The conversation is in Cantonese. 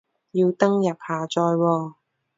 要登入下載喎